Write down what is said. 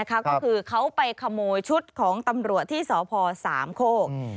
ก็คือเขาไปขโมยชุดของตำรวจที่สพสามโคก